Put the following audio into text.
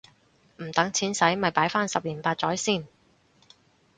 唔等錢洗咪擺返十年八載先